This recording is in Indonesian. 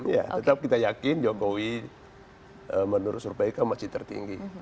ya tetap kita yakin jokowi menurut survei kan masih tertinggi